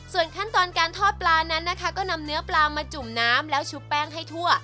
ส่วนขั้นตอนการทอดปลานั้นนะคะก็นำเนื้อปลามาจุ่มน้ำแล้วชุบแป้งให้ทั่ว